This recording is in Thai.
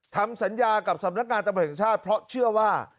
ทำสัญญากับสำนักงานตำรวจแห่งชาติเพราะเชื่อว่า